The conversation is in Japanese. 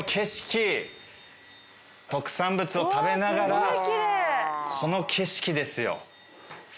特産物を食べながらこの景色ですよ最高でしょ？